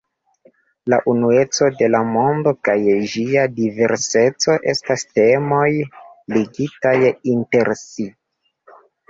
La unueco de la mondo kaj ĝia diverseco estas temoj ligitaj inter si.